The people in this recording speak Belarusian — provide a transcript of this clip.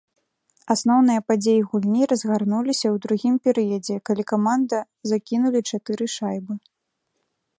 Асноўныя падзеі гульні разгарнуліся ў другім перыядзе, калі каманда закінулі чатыры шайбы.